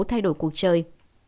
thay đổi cuộc chơi